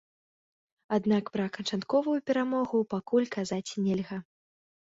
Аднак пра канчатковую перамогу пакуль казаць нельга.